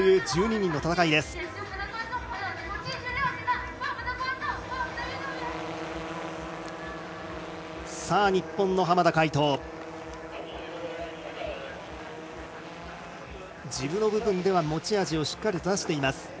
ジブの部分では持ち味をしっかり出しています。